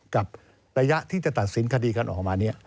กับระยะที่จะตัดสินคดีกันออกมาเนี่ย